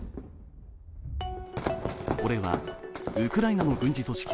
これはウクライナの軍事組織